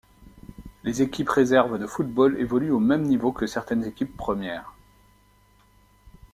Les équipes réserve de football évoluent au même niveau que certaines équipes premières.